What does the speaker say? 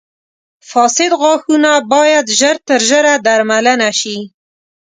• فاسد غاښونه باید ژر تر ژره درملنه شي.